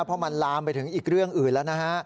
เพราะมันลามไปถึงอีกเรื่องอื่นแล้วนะฮะ